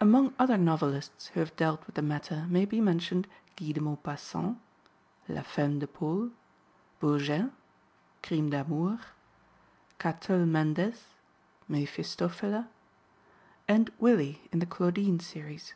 Among other novelists who have dealt with the matter may be mentioned Guy de Maupassant (La Femme de Paul), Bourget (Crime d'Amour), Catulle Mendès (Méphistophéla), and Willy in the Claudine series.